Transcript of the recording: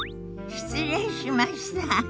失礼しました。